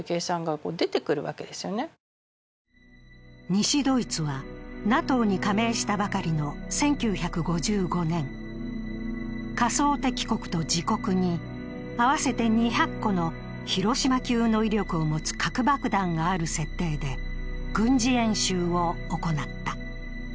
西ドイツはＮＡＴＯに加盟したばかりの１９５５年、仮想敵国と自国に合わせて２００個の広島級の威力を持つ核爆弾がある設定で軍事演習を行った。